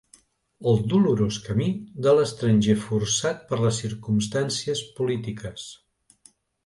El dolorós camí de l'estranger forçat per les circumstàncies polítiques.